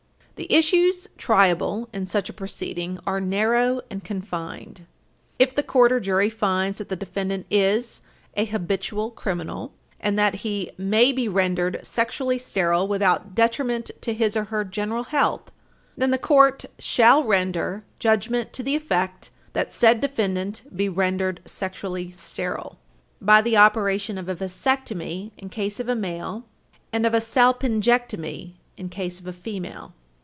§§ 177 181. The issues triable in such a proceeding are narrow and confined. Page 316 U. S. 537 If the court or jury finds that the defendant is an "habitual criminal" and that he "may be rendered sexually sterile without detriment to his or her general health," then the court "shall render judgment to the effect that said defendant be rendered sexually sterile" (§ 182) by the operation of vasectomy in case of a male, and of salpingectomy in case of a female.